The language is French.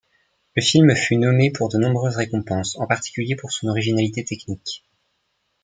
Le film fut nommé pour de nombreuses récompenses, en particulier pour son originalité technique.